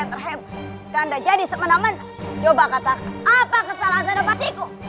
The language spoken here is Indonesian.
temen temen coba katakan apa kesalahan dendam batiku